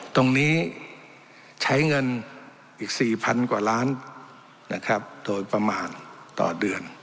ตรงนี้ใช้เงินอีก๔๐๐๐กว่าล้านนะครับโดยประมาณต่อเดือน